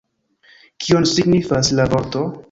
Kion signifas la vorto?